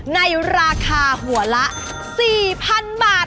ในราคาหัวละ๔๐๐๐บาท